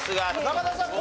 中田さん